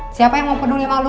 siapa yang mau peduli sama lu